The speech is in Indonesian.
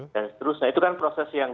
dan seterusnya itu kan proses yang